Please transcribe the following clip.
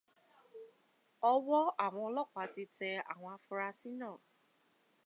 Ọwọ́ àwọn ọlọ́pàá ti tẹ àwọn afurasí náà.